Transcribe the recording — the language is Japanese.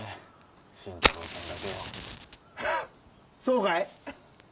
新太郎さんだけはそうかい？